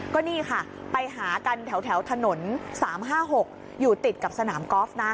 ก็นี่ค่ะไปหากันแถวถนน๓๕๖อยู่ติดกับสนามกอล์ฟนะ